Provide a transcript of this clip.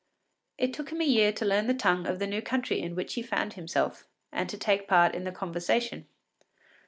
” It took him a year to learn the tongue of the new country in which he found himself and to take part in the conversation.